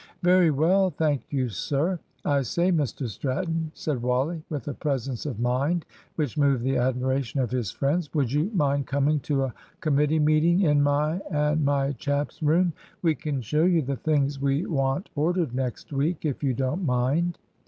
"Very well, thank you, sir. I say, Mr Stratton," said Wally, with a presence of mind which moved the admiration of his friends, "would you mind coming to a committee meeting in my and my chaps' room! We can show you the things we want ordered next week, if you don't mind."